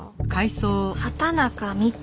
畑中美玖。